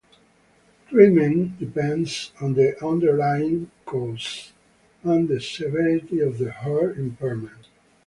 Treatment depends on the underlying cause and the severity of the heart impairment.